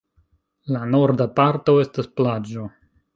La norda parto estas plaĝo.